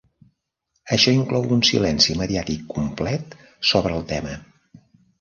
Això inclou un silenci mediàtic complet sobre el tema.